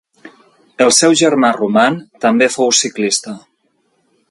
El seu germà Roman també fou ciclista.